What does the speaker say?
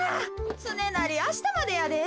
つねなりあしたまでやで。